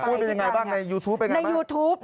อ๋อผมพูดเป็นยังไงบ้างในยูทูปเป็นยังไงบ้าง